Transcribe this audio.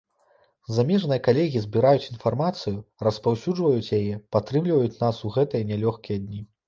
Замежныя калегі збіраюць інфармацыю, распаўсюджваюць яе, падтрымліваюць нас у гэтыя нялёгкія дні.